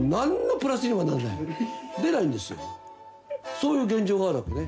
そういう現状があるわけね。